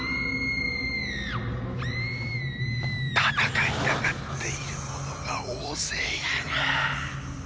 ∈戦いたがっている者が大勢いるな∈